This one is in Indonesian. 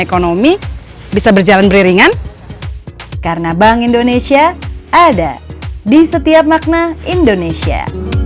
ekonomi bisa berjalan beriringan karena bank indonesia ada di setiap makna indonesia